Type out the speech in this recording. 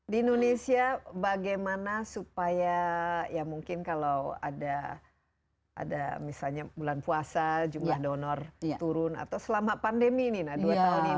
di indonesia bagaimana supaya ya mungkin kalau ada misalnya bulan puasa jumlah donor turun atau selama pandemi ini dua tahun ini